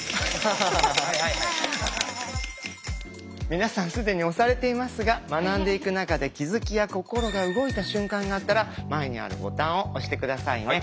皆さん既に押されていますが学んでいく中で気づきや心が動いた瞬間があったら前にあるボタンを押して下さいね。